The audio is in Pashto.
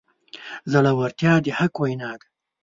زړورتیا د حق وینا ده.